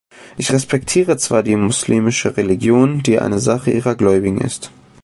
Ich respektiere zwar die moslemische Religion, die eine Sache ihrer Gläubigen ist.